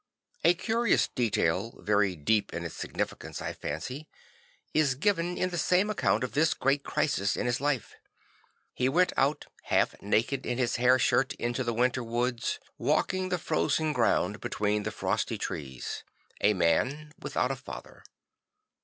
A curious detail, very deep in its significance, I fancy, is given in the same account of this great crisis in his life. He went out half naked in his hair shirt into the winter woods, walking the frozen ground between the frosty trees; a man without a father.